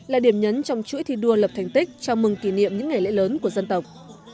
là điểm nhấn trong chuỗi thi đua lập thành tích chào mừng kỷ niệm những ngày lễ lớn của dân tộc